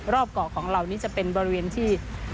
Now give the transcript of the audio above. รอบเกาะของเรานี่จะเป็นบริเวณที่